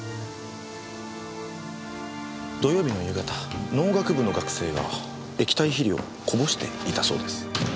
土曜日の夕方農学部の学生が液体肥料をこぼしていたそうです。